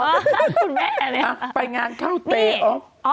คุณแม่เนี่ยอ่ะไปงานเท่าเตยออฟ